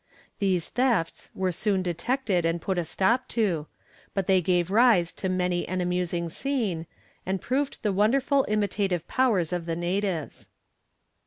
These thefts were soon detected and put a stop to, but they gave rise to many an amusing scene, and proved the wonderful imitative powers of the natives.